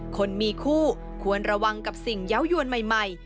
คนมีคู่ควรระวังกับสิ่งเยาวยวนใหม่